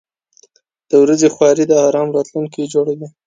• د ورځې خواري د آرام راتلونکی جوړوي.